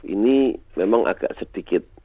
ini memang agak sedikit